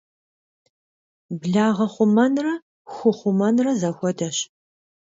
Благъэ хъумэнрэ ху хъумэнрэ зэхуэдэщ.